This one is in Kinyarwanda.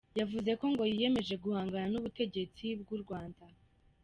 Yavuze ko ngo yiyemeje guhangana n'ubutegetsi bw'u Rwanda.